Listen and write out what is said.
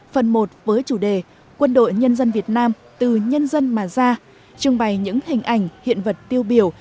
phần một với chủ đề quân đội nhân dân việt nam từ nhân dân mà ra trưng bày những hình ảnh hiện vật tiêu biểu